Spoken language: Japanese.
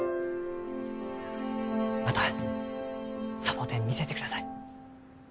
またサボテン見せてください。